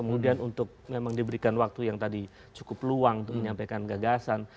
kemudian untuk memang diberikan waktu yang tadi cukup luang untuk menyampaikan gagasan